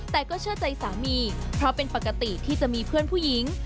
แต่ก็เชื่อใจสามีเพราะเป็นปกติที่จะมีเพื่อนผู้หญิง